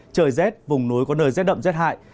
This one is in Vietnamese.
trời rét vùng núi có nơi rét đậm rét hại